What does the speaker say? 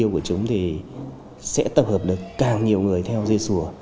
càng nhiều người theo dê sùa